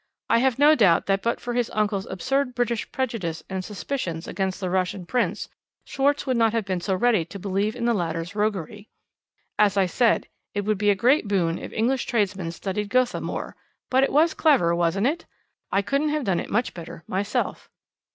I have no doubt that but for his uncle's absurd British prejudice and suspicions against the Russian Prince, Schwarz would not have been so ready to believe in the latter's roguery. As I said, it would be a great boon if English tradesmen studied Gotha more; but it was clever, wasn't it? I couldn't have done it much better myself."